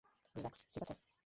Relax, ঠিক আছে?